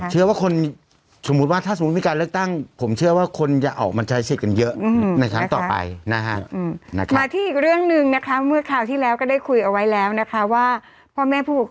ถูกต้องจมูตว่าถ้าสมมุติมีการเลือกตั้ง